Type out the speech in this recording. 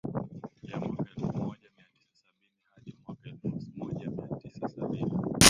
ya mwaka elfu moja mia tisa sabini hadi mwaka elfu moja mia tisa sabini